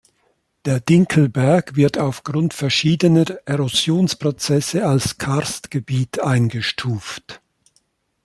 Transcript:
Der Dinkelberg wird aufgrund verschiedener Erosionsprozesse als Karstgebiet eingestuft.